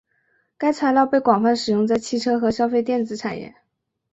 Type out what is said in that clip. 该材料被广泛使用在汽车和消费电子产业。